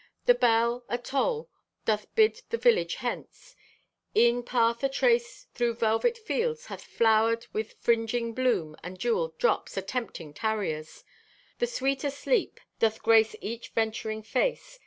The bell, atoll, doth bid the village hence. E'en path atraced through velvet fields hath flowered with fringing bloom and jeweled drops, atempting tarriers. The sweet o' sleep doth grace each venturing face.